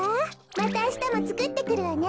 またあしたもつくってくるわね。